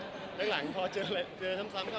อเจมส์นังหลังพอเจอเริ่มต้องกระโปรงได้